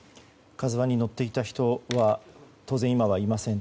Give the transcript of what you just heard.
「ＫＡＺＵ１」に乗っていた人は当然、今はいません。